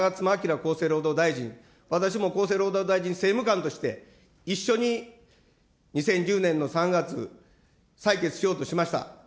厚生労働大臣、私も厚生労働大臣政務官として、一緒に２０１０年の３月、採決しようとしました。